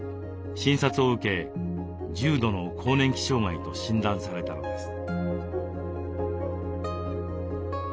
診察を受け重度の更年期障害と診断されたのです。